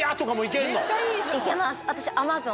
行けます私。